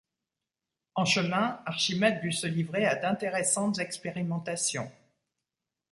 En chemin, Archimède dut se livrer à d’intéressantes expérimentations.